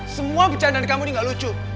semua percayaan dari kamu ini gak lucu